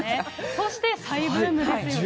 そして再ブームですよね。